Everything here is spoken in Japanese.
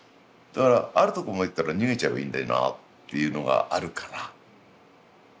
あるとこまで行ったら逃げちゃえばいいんだよなっていうのがあるから。